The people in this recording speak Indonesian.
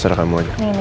ada tambahan lainnya